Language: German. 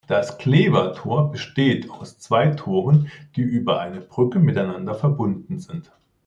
Das "Klever Tor" besteht aus zwei Toren, die über eine Brücke miteinander verbunden sind.